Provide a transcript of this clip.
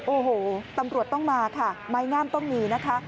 โอ้โหตำรวจต้องมาค่ะไม้งามต้องมีนะคะ